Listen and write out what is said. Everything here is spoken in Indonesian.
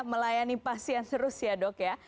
melayani pasien serius ya dok ya